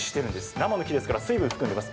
生の木ですから水分を含んでいます。